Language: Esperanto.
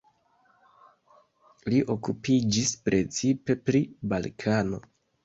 Li okupiĝis precipe pri Balkano.